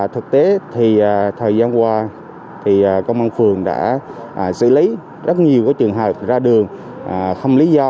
thực tế thì thời gian qua công an phường đã xử lý rất nhiều trường hợp ra đường không lý do